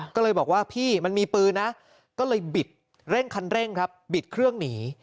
ก็เลยบอกว่าพี่มันมีปืนนะก็เลยบิดเร่งคันเร่งครับบิดเครื่องหนี